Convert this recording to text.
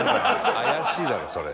「怪しいだろそれ」